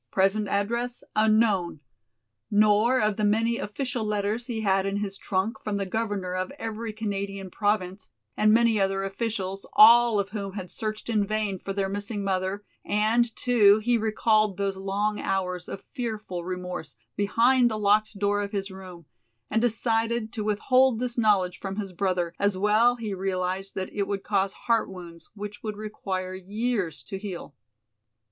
Present address unknown," nor of the many official letters he had in his trunk from the Governor of every Canadian Province and many other officials, all of whom had searched in vain for their missing mother, and, too, he recalled those long hours of fearful remorse behind the locked door of his room, and decided to withhold this knowledge from his brother as well he realized that it would cause heart wounds which would require years to heal.